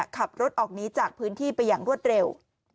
ขับรถออกนี้จากพื้นที่ไปอย่างรวดเร็ว